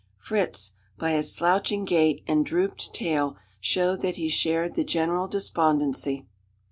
Fritz, by his slouching gait and drooped tail, showed that he shared the general despondency.